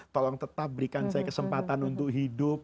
tolong tetap berikan saya kesempatan untuk hidup